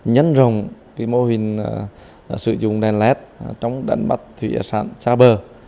nhân rồng mô hình sử dụng đèn led trong đánh bắt thủy sản xa bờ